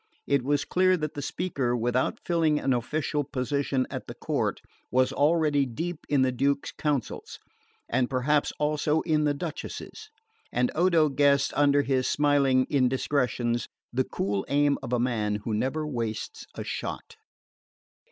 It was clear that the speaker, without filling an official position at the court, was already deep in the Duke's counsels, and perhaps also in the Duchess's; and Odo guessed under his smiling indiscretions the cool aim of the man who never wastes a shot.